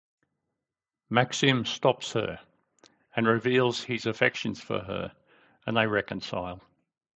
Maxim stops her and reveals his affections for her and they reconcile.